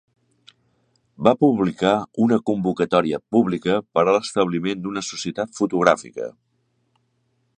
Va publicar una convocatòria pública per a l'establiment d'una societat fotogràfica.